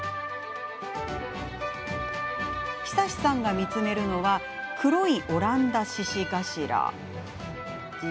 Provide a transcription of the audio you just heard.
久志さんが見つめるのは黒いオランダシシガシラ。